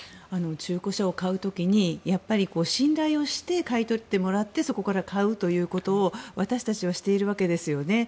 中古車を買う時に信頼をして買い取ってもらってそこから買うということを私たちはしているわけですよね。